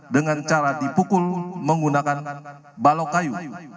dengan cara dipukul menggunakan balok kayu